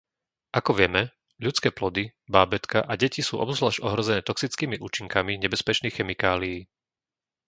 Ako vieme, ľudské plody, bábätká a deti sú obzvlášť ohrozené toxickými účinkami nebezpečných chemikálií.